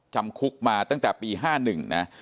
จำคุกมาตั้งแต่ปี๕๑นะ